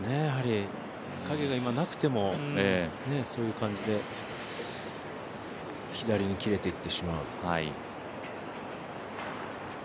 影が今なくても、そういう感じで左に切れていってしまう。